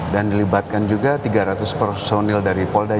dan dilibatkan juga tiga ratus personil dari polda bali